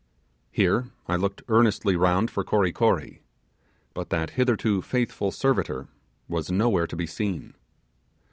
Here I looked earnestly round for Kory Kory; but that hitherto faithful servitor was nowhere to be seen.